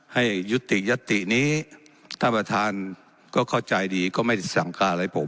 ให้ยุติยตินี้ท่านประธานก็เข้าใจดีก็ไม่ได้สั่งการอะไรผม